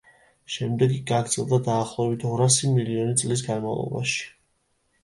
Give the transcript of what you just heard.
შემდეგ კი გაგრძელდა დაახლოებით ორასი მილიონი წლის განმავლობაში.